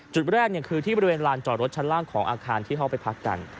จุดแรกคือที่บริเวณลานจอดรถชั้นล่างของอาคารที่เข้าไปพักกัน